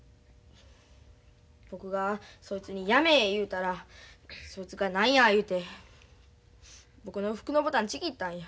僕がそいつに「やめえ」言うたらそいつが「何や」言うて僕の服のボタンちぎったんや。